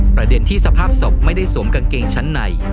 ประเด็นที่สภาพศพไม่ได้สวมกางเกงชั้นใน